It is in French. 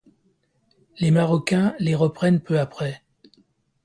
Les Marocains les reprennent peu après.